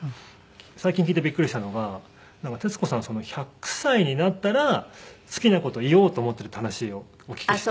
最近聞いてびっくりしたのが徹子さん１００歳になったら好きな事を言おうと思ってるっていう話をお聞きして。